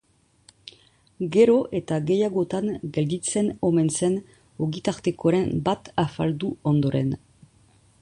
Gero eta gehiagotan gelditzen omen zen, ogitartekoren bat afaldu ondoren.